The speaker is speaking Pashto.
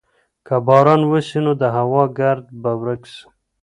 که باران وسي نو د هوا ګرد به ورک سي.